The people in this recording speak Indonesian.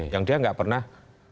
yang dia nggak pernah